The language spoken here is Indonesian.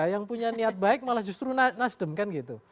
yang punya niat baik malah justru nasdem kan gitu